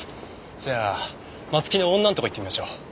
じゃあ松木の女のとこ行ってみましょう。